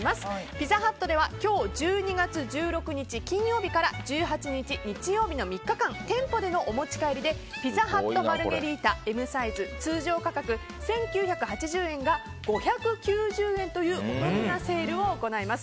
ピザハットでは今日１２月１６日金曜日から１８日日曜日の３日間店舗でのお持ち帰りでピザハット・マルゲリータＭサイズ通常価格１９８０円が５９０円というお得なセールを行います。